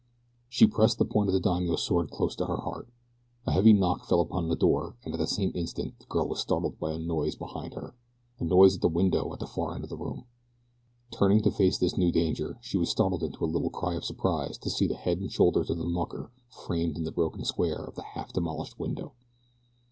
She pressed the point of the daimio's sword close to her heart. A heavy knock fell upon the door and at the same instant the girl was startled by a noise behind her a noise at the little window at the far end of the room. Turning to face this new danger, she was startled into a little cry of surprise to see the head and shoulders of the mucker framed in the broken square of the half demolished window.